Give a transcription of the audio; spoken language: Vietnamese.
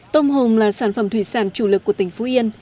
tôm hùm là sản phẩm thủy sản chủ lực của tỉnh phú yên